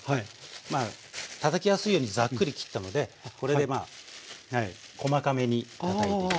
まあたたきやすいようにザックリ切ったのでこれで細かめにたたいていきます。